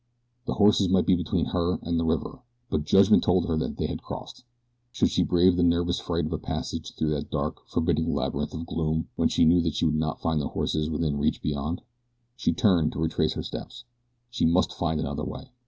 The horses might be between her and the river, but judgment told her that they had crossed. Should she brave the nervous fright of a passage through that dark, forbidding labyrinth of gloom when she knew that she should not find the horses within reach beyond? She turned to retrace her steps. She must find another way!